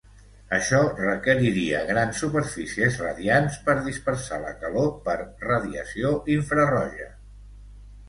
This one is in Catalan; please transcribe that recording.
Això requeriria grans superfícies radiants per dispersar la calor per radiació infraroja.